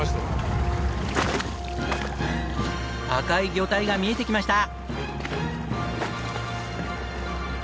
赤い魚体が見えてきました！